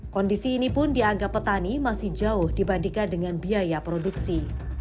kondisi ini pun dianggap petani masih jauh dibandingkan dengan biaya produksi